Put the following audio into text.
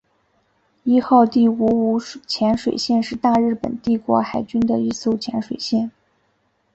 伊号第五五潜水舰是大日本帝国海军的一艘潜水艇。